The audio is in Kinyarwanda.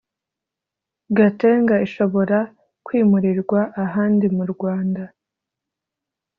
Gatenga ishobora kwimurirwa ahandi mu rwanda